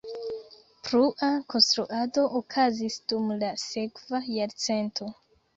Plua konstruado okazis dum la sekva jarcento.